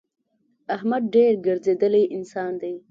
احمد ډېر ګرځېدلی انسان دی.